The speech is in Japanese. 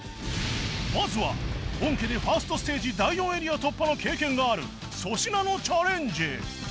まずは本家で １ｓｔ ステージ第４エリア突破の経験がある粗品のチャレンジ